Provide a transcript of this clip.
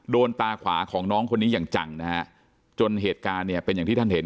โดนตาขวาของน้องคนนี้อย่างจังจนเหตุการณ์เป็นอย่างที่ท่านเห็น